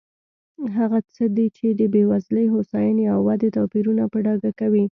هغه څه دي چې د بېوزلۍ، هوساینې او ودې توپیرونه په ډاګه کوي.